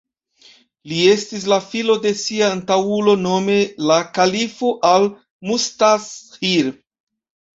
Li estis la filo de sia antaŭulo, nome la kalifo Al-Mustazhir.